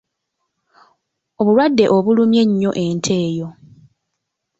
Obulwadde obulumye nnyo ente eyo.